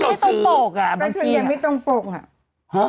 ก็ยังไม่ต้องปล่มอะ